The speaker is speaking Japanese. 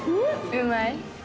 うまい？